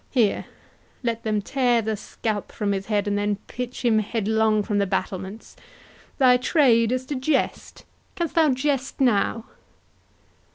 —Here, let them tear the scalp from his head, and then pitch him headlong from the battlements—Thy trade is to jest, canst thou jest now?"